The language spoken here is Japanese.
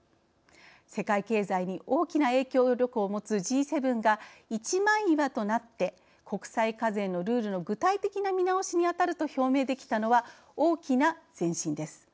世界経済に大きな影響力を持つＧ７が一枚岩となって国際課税のルールの具体的な見直しにあたると表明できたのは、大きな前進です。